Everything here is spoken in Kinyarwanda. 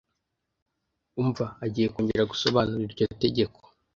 Umva! Agiye kongera gusobanura iryo tegeko.